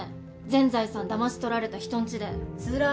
全財産だまし取られた人んちで氷柱！